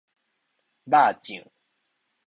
肉醬